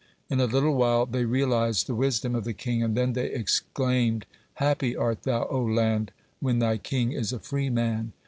In a little while they realized the wisdom of the king, and then they exclaimed: "Happy art thou, O land, when thy king is a free man."